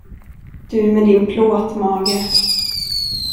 Du med din plåtmage.